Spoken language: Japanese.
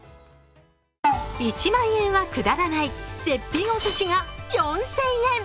１万円は下らない絶品おすしが４０００円。